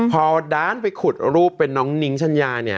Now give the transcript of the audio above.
พอด้านไปขุดรูปเป็นน้องนิ้งชัญญาเนี่ย